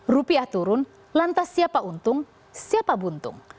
rupiah turun lantas siapa untung siapa buntung